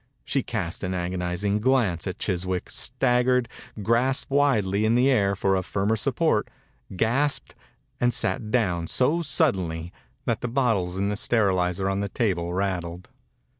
She cast an agonized glance at Chiswick, staggered, grasped widely in the air for a firmer support, gasped, and sat down so suddenly that the bot tles in the sterilizer on the table rattled.